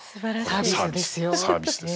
サービスですよ。